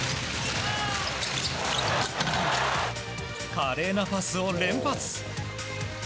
華麗なパスを連発。